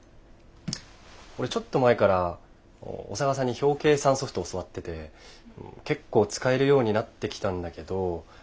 俺ちょっと前から小佐川さんに表計算ソフト教わってて結構使えるようになってきたんだけどそしたら。